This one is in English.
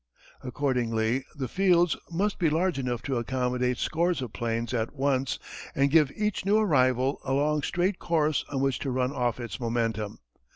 Accordingly the fields must be large enough to accommodate scores of planes at once and give each new arrival a long straight course on which to run off its momentum.